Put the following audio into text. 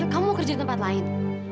kamu mau kerja di tempat lain